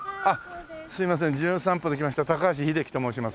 すいません『じゅん散歩』で来ました高橋英樹と申します。